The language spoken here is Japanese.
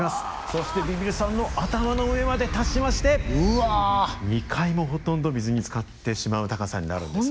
そしてビビるさんの頭の上まで達しまして２階もほとんど水につかってしまう高さになるんですね。